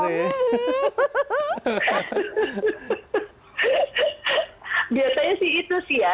biasanya sih itu sih ya